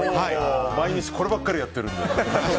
毎日、こればっかりやってるので。